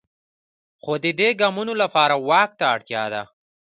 خو د دې ګامونو لپاره واک ته اړتیا ده.